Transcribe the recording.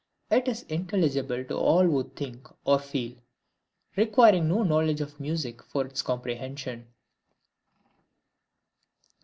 It is intelligible to all who think or feel; requiring no knowledge of music for its comprehension.